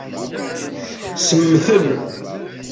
Semmten.